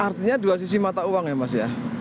artinya dua sisi mata uang ya mas ya